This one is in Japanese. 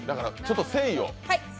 誠意を。